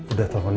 udah telepon ya